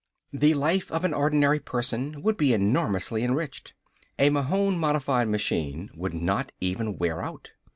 The life of an ordinary person would be enormously enriched. A Mahon modified machine would not even wear out.